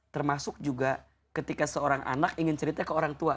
termasuk juga ketika seorang anak ingin cerita ke orang tua